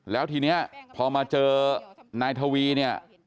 แล้วทีนี้พอมาเจอนายทวีเนี่ย